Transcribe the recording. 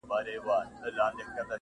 چي « منظور» به هم د قام هم د الله سي،